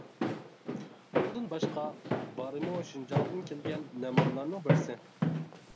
ئۇندىن باشقا بارىمۇ شىنجاڭدىن كەلگەن نەمۇنىلەرنىڭ بىرسى.